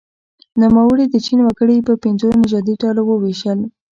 نوموړي د چین وګړي په پنځو نژادي ډلو وویشل.